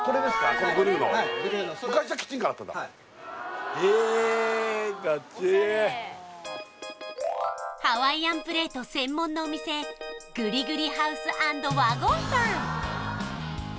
このブルーの昔はキッチンカーだったんだはいえかっちょいいハワイアンプレート専門のお店グリグリハウスアンドワゴンさん